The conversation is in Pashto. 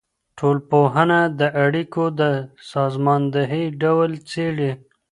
ټولنپوهنه د اړيکو د سازماندهۍ ډول څېړي.